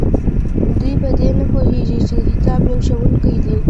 دوی په دې نه پوهیږي چې کتاب یو ښوونکی دی.